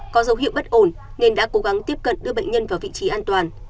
có dấu hiệu bất ổn nên đã cố gắng tiếp cận đưa bệnh nhân vào vị trí an toàn